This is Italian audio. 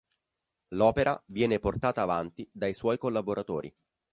L'opera viene portata avanti dai suoi collaboratori.